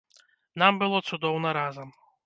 Нам было цудоўна разам.